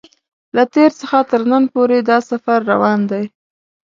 له تېر څخه تر نن پورې دا سفر روان دی.